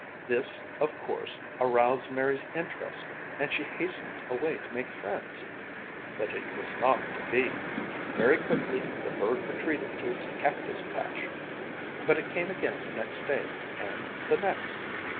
This, of course, aroused Mary's interest and she hastened away to make friends. But it was not to be. Very quickly the bird retreated to its cactus patch. But it came again the next day and the next.